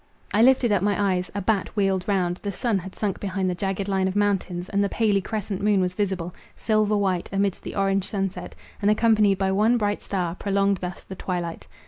I lifted up my eyes—a bat wheeled round—the sun had sunk behind the jagged line of mountains, and the paly, crescent moon was visible, silver white, amidst the orange sunset, and accompanied by one bright star, prolonged thus the twilight.